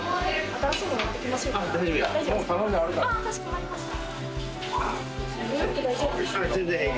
かしこまりました。